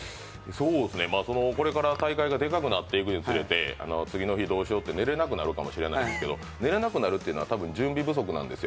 これから大会がでかくなっていくにつれて次の日どうしようって寝れなくなると思うんですけど、寝れなくなるというのは多分準備不足なんですよ。